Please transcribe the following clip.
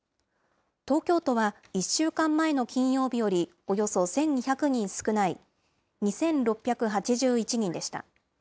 東京都は１週間前の金曜日よりおよそ１２００人少ない２６８１人でした。